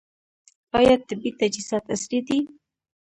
آیا طبي تجهیزات عصري دي؟